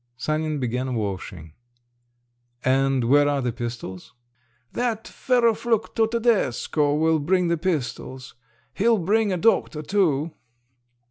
Sanin began washing. "And where are the pistols?" "That ferroflucto Tedesco will bring the pistols. He'll bring a doctor too."